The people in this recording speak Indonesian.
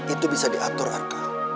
itu bisa diatur arka